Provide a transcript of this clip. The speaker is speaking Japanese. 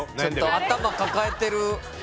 頭抱えてる。